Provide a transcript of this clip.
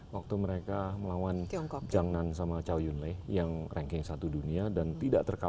waktu mereka melawan jangnan sama cao yunle yang ranking satu dunia dan tidak terbatas